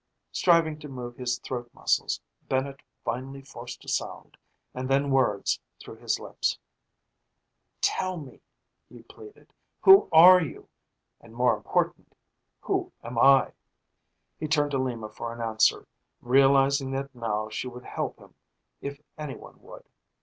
Striving to move his throat muscles, Bennett finally forced a sound, and then words, through his lips. "Tell me," he pleaded. "Who are you? And, more important, who am I?" He turned to Lima for an answer, realizing that now she would help him if anyone would.